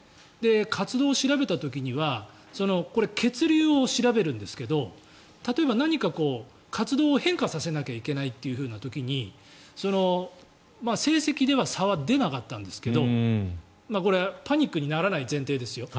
活動を調べた時にはこれは血流を調べるんですが例えば何か活動を変化させないといけないという時に成績では差は出なかったんですがこれ、パニックにならない前提ですよ。